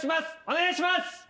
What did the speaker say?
お願いします！